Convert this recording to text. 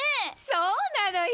そうなのよ。